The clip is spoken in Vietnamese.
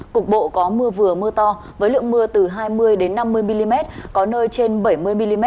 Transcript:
cục bộ có mưa vừa mưa to với lượng mưa từ hai mươi năm mươi mm có nơi trên bảy mươi mm